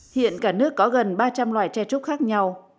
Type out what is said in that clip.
hiện cả nước có gần ba trăm linh loài tre trúc khác nhau